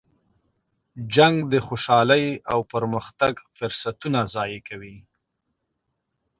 جنګ د خوشحالۍ او پرمختګ فرصتونه ضایع کوي.